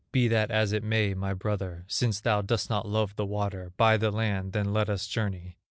Be that as it may, my brother, Since thou dost not love the water, By the land then let us journey.